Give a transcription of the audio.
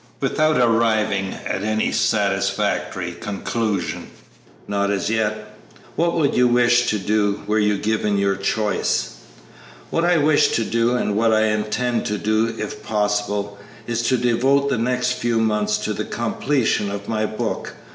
"Without arriving at any satisfactory conclusion?" "Not as yet." "What would you wish to do, were you given your choice?" "What I wish to do, and what I intend to do if possible, is to devote the next few months to the completion of my book.